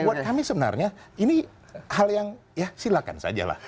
buat kami sebenarnya ini hal yang ya silakan saja lah